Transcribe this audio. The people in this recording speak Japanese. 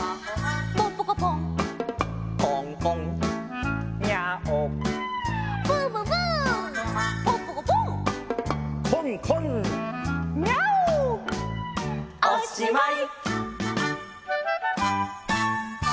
「ポンポコポン」「コンコン」「ニャーオ」「ブブブー」「ポンポコポン」「コンコン」「ニャーオ」おしまい！